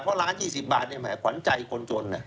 เพราะล้าน๒๐บาทแหมขวัญใจคนจน